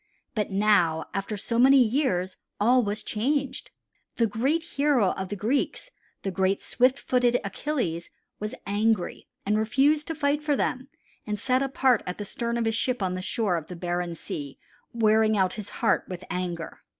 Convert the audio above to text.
But now, after so many years, all was changed. The great hero of the Greeks, the great swift footed Achilles, was angry and refused to fight for them and sat apart at the stern of his ship on the shore of the barren sea wearing out his heart with anger.